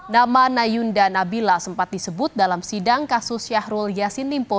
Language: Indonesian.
nama nayunda nabila sempat disebut dalam sidang kasus syahrul yassin limpo